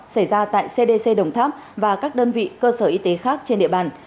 xảy ra tại cdc đồng tháp và các đơn vị cơ sở y tế khác trên địa bàn